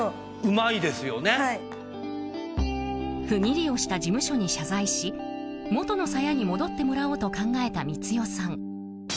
不義理をした事務所に謝罪し元のさやに戻ってもらおうと考えた光代さん。